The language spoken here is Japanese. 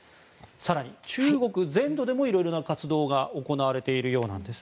更に中国全土でもいろいろな活動が行われているようです。